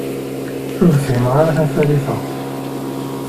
Ur fhimeɣ ara tanfalit-a.